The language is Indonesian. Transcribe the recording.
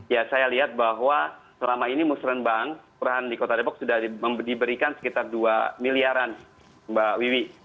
ya saya lihat bahwa selama ini musrembang kelurahan di kota depok sudah diberikan sekitar dua miliaran mbak wiwi